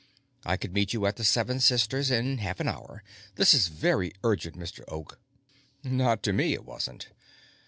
I could meet you at the Seven Sisters in half an hour. This is very urgent, Mr. Oak." Not to me, it wasn't.